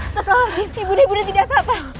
setelah nji ibu nda tidak apa apa